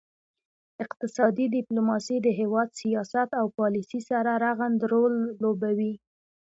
اقتصادي ډیپلوماسي د هیواد سیاست او پالیسي سره رغند رول لوبوي